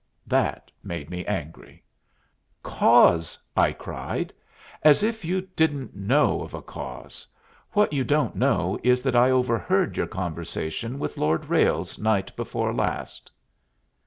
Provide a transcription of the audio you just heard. That made me angry. "Cause?" I cried. "As if you didn't know of a cause! What you don't know is that I overheard your conversation with Lord Ralles night before last."